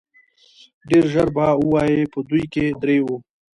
ډېر ژر به ووايي په دوی کې درې وو.